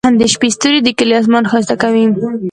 د شپې ستوري د کلي اسمان ښايسته کوي.